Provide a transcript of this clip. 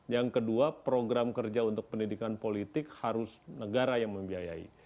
yang kedua program kerja untuk pendidikan politik harus negara yang membiayai